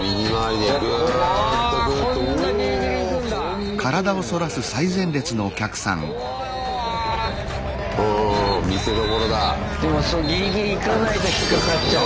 でもギリギリ行かないと引っ掛かっちゃう。